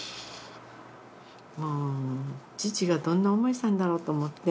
もう、父がどんな思いしたんだろうと思って。